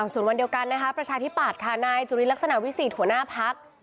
ส่วนวันเดียวกันนะคะประชาธิปัตย์ค่ะนายจุลินลักษณะวิสิทธิ์หัวหน้าพัก